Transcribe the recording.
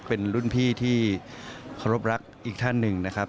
เป็นรุ่นพี่ที่เคารพรักอีกท่านหนึ่งนะครับ